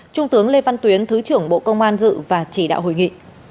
trung tướng lê văn tuyến thứ trưởng bộ công an dự và chỉ đạo hội nghị